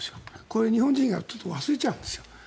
これ日本人が忘れちゃうんですよ